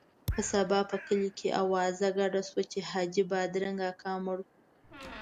په سبا په کلي کې اوازه ګډه شوه چې حاجي بادرنګ اکا مړ شو.